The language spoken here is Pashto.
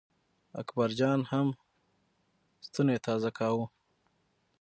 اکبر جان هم ستونی تازه کاوه.